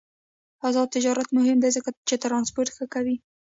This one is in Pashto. آزاد تجارت مهم دی ځکه چې ترانسپورت ښه کوي.